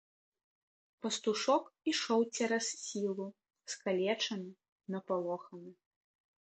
Пастушок ішоў цераз сілу, скалечаны, напалоханы.